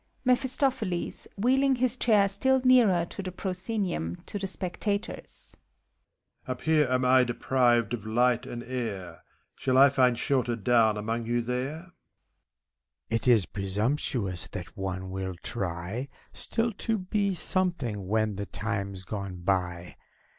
MEPHISTOPHELES (wheeling his chair still nearer to the proscenium, to the spectators). Up here am I deprived of light and air: Shall I find shelter down among you there? BACCALAUREUS. It is presumptuous, that one will try Still to be something, when the time's gone by.